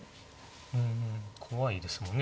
うんうん怖いですもんね。